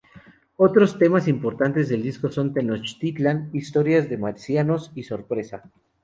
Otros temas importantes del disco son "Tenochtitlan", "Historias de marcianos" y "Sorpresa".